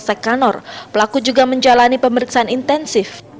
sekanor pelaku juga menjalani pemeriksaan intensif